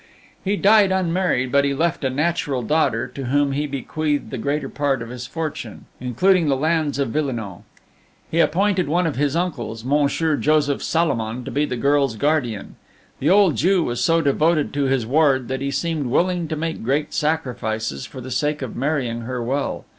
He died unmarried, but he left a natural daughter, to whom he bequeathed the greater part of his fortune, including the lands of Villenoix. He appointed one of his uncles, Monsieur Joseph Salomon, to be the girl's guardian. The old Jew was so devoted to his ward that he seemed willing to make great sacrifices for the sake of marrying her well.